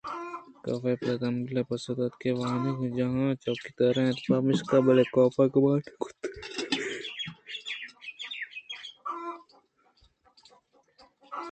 کاف ءَپہ تہمبل پسو دات کہ آوانگجاہ ءِچوکیدار اِنت پمیشکا بلئے کافءَگُمان کُتگ اَت کہ فریڈا دیر اِنت کہ یک پگرے ءِ تہا کپتگ ءُسرجم ءَ اِدا نہ اِنت